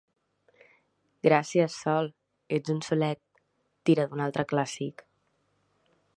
Gràcies, Sol, ets un solet —tira d'un altre clàssic.